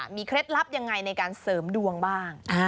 มีเคล็ดลับยังไงในการเสริมดวงบ้าง